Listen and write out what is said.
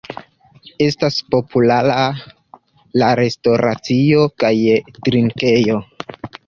Estas populara la restoracio kaj drinkejo.